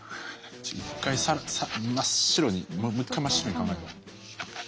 一回真っ白にもう一回真っ白に考えよう。